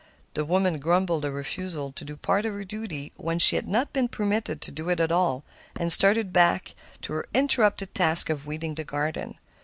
The woman grumbled a refusal to do part of her duty when she had not been permitted to do it all, and started back to her interrupted task of weeding the garden.